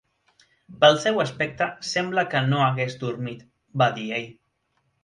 "Pel seu aspecte sembla que no hagués dormit", va dir ell.